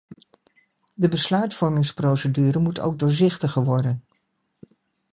De besluitvormingsprocedure moet ook doorzichtiger worden.